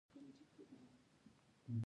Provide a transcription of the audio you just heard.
شېخ بستان برېڅ په قوم بړېڅ ؤ.